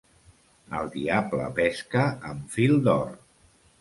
El diable pesca amb fil d'or.